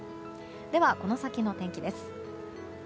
では、この先の天気です。